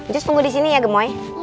just tunggu disini ya gemoy